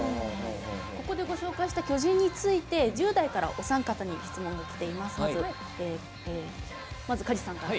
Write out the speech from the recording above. ここで紹介した巨人について１０代から、お三方に質問がきています。